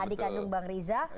adik kandung bang riza